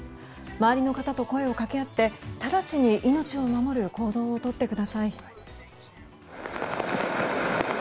周りの方と声をかけ合って直ちに命を守る行動をとってください。